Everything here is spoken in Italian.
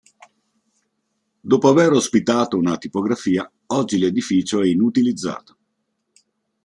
Dopo aver ospitato una tipografia, oggi l'edificio è inutilizzato.